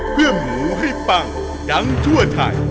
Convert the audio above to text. เพื่อหมูให้ปังดังทั่วไทย